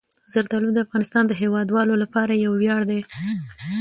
زردالو د افغانستان د هیوادوالو لپاره یو ویاړ دی.